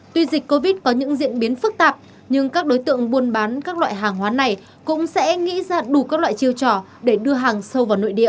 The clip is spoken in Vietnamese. tuy dịch covid có những diễn biến phức tạp nhưng các đối tượng buôn bán các loại hàng hóa này cũng sẽ nghĩ ra đủ các loại chiêu trò để đưa hàng sâu vào nội địa